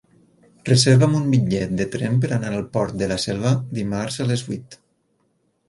Reserva'm un bitllet de tren per anar al Port de la Selva dimarts a les vuit.